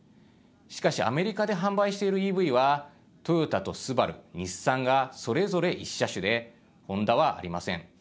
しかしアメリカで販売しているＥＶはトヨタとＳＵＢＡＲＵ、日産がそれぞれ１車種でホンダはありません。